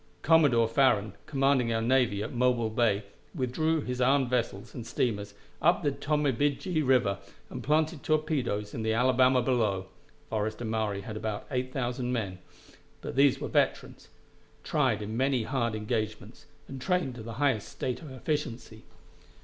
Commodore Farrand, commanding our navy at Mobile Bay, withdrew his armed vessels and steamers up the Tombigbee River, and planted torpedoes in the Alabama below. Forrest and Maury had about eight thousand men, but these were veterans, tried in many hard engagements, and trained to the highest state of efficiency.